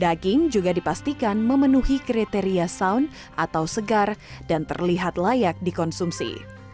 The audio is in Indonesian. daging juga dipastikan memenuhi kriteria sound atau segar dan terlihat layak dikonsumsi